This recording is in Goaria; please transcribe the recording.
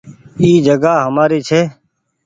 اي جگآ همآري ڇي۔